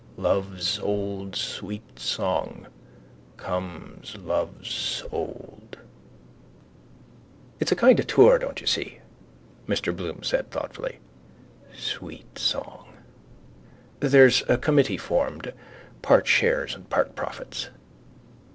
Love's Old Sweet Song Comes lo ove's old... —It's a kind of a tour, don't you see, Mr Bloom said thoughtfully. Sweeeet song. There's a committee formed. Part shares and part profits.